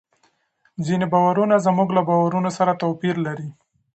ځینې باورونه زموږ له باورونو سره توپیر لري.